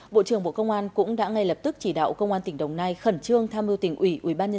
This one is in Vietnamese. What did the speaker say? bộ trưởng bộ công an cũng đã ngay lập tức chỉ đạo công an tỉnh đồng nai khẩn trương tham mưu tỉnh ủy